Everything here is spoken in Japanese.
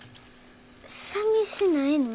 さみしないの？